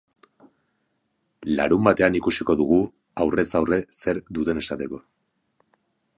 Larunbatean ikusiko dugu aurrez aurre zer duten esateko.